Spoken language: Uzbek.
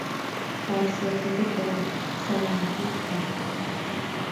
• Qarz yo‘qligi — boylik, salomatlik — baxt.